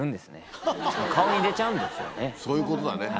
そういうことだね。